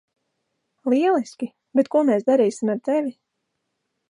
Lieliski, bet ko mēs darīsim ar tevi?